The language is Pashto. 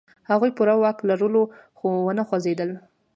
هغوی پوره واک لرلو، خو و نه خوځېدل.